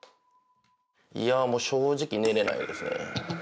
いやあもう正直寝れないですね。